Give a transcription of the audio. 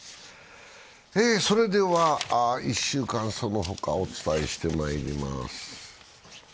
それでは１週間、その他をお伝えしてまいります。